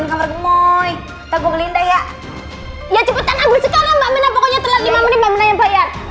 pokoknya telat lima menit mbak mena yang bayar